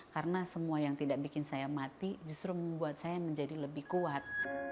karena semua yang tidak bikin saya mati justru membuat saya menjadi lebih kuat